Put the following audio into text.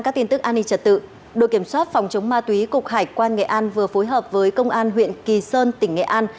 các tin tức an ninh trật tự đội kiểm soát phòng chống ma túy cục hải quan nghệ an vừa phối hợp với công an huyện kỳ sơn tỉnh nghệ an